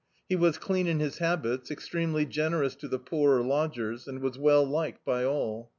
He was clean in his habits, extremely generous to the poorer lodgers, and was well liked by all.